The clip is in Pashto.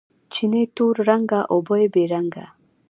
چینې تور رنګه، اوبه بې رنګه